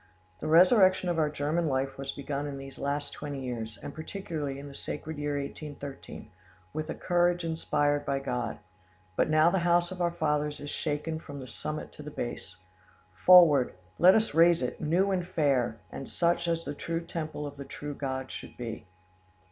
The resurrection of our German life was begun in these last twenty years, and particularly in the sacred year 1813, with a courage inspired by God. But now the house of our fathers is shaken from the summit to the base. Forward! let us raise it, new and fair, and such as the true temple of the true God should be.